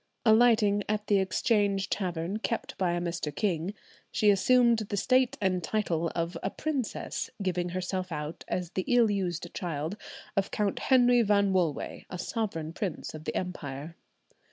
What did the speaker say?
Alighting at the Exchange Tavern, kept by a Mr. King, she assumed the state and title of a princess, giving herself out as the ill used child of Count Henry Van Wolway, a sovereign prince of the empire.